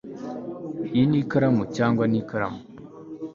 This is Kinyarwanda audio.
Iyi ni ikaramu cyangwa ikaramu